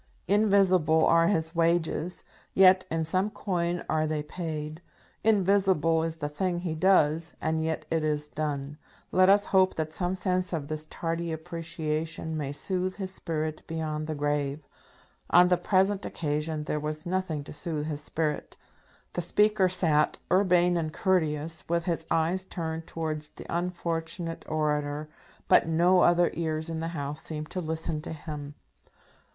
Invisible are his wages, yet in some coin are they paid. Invisible is the thing he does, and yet it is done. Let us hope that some sense of this tardy appreciation may soothe his spirit beyond the grave. On the present occasion there was nothing to soothe his spirit. The Speaker sat, urbane and courteous, with his eyes turned towards the unfortunate orator; but no other ears in the House seemed to listen to him.